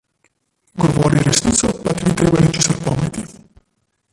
Govori resnico, pa ti ni treba ničesar pomniti.